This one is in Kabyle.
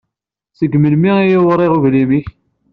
Si melmi i yewriɣ uglim--ik?